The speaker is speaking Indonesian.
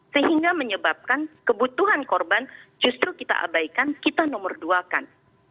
sehingga menyebabkan kebutuhan korban justru kita abaikan kita nomor dua kan